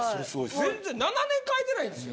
全然７年替えてないんですよ。